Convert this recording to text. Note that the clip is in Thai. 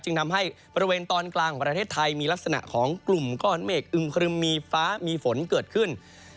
ทำให้บริเวณตอนกลางของประเทศไทยมีลักษณะของกลุ่มก้อนเมฆอึมครึมมีฟ้ามีฝนเกิดขึ้น